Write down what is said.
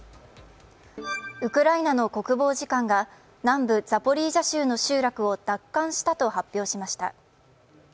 ウクライナの国防次官が南部ザポリージャ州の集落を奪還したと発表しました。